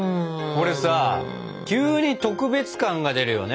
これさ急に特別感が出るよね。